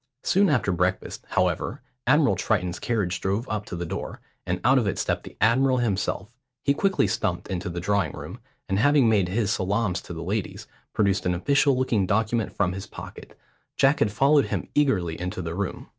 Soon after breakfast, however, Admiral Triton's carriage drove up to the door, and out of it stepped the admiral himself. He quickly stumped into the drawing room, and having made his salaams to the ladies, produced an official looking document from his pocket. Jack had followed him eagerly into the room.